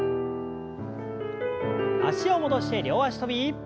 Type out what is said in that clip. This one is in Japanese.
脚を戻して両脚跳び。